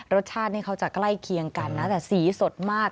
รสชาตินี่เขาจะใกล้เคียงกันนะแต่สีสดมาก